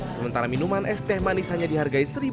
sementara minuman es teh manis hanya dihargai